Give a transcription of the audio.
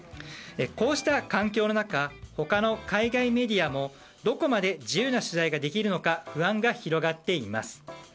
こうした環境の中他の海外メディアもどこまで自由な取材ができるのか不安が広がっています。